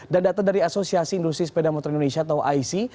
dan data dari asosiasi industri sepeda motor indonesia atau ic